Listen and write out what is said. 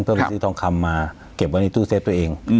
เพื่อไปซื้อทองคำมาเก็บวันนี้ตู้เซ็ตตัวเอง